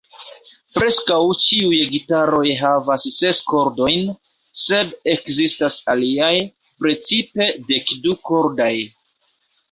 Preskaŭ ĉiuj gitaroj havas ses kordojn, sed ekzistas aliaj, precipe dekdu-kordaj.